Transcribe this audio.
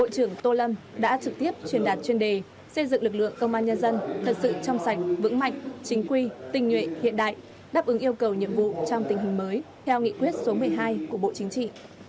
công an nhân dân thật sự trong sạch vững mạnh chính quy tinh nguyện hiện đại đáp ứng yêu cầu nhiệm vụ trong tình hình mới theo nghị quyết số một mươi hai của bộ chính trị